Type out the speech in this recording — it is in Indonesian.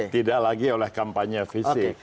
tidak lagi oleh kampanye fisik